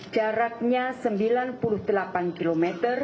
jaraknya sembilan puluh delapan km